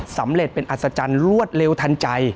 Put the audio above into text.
สำเร็จเป็นอัศจรรย์รวดเร็วทันใจ